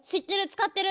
使ってる。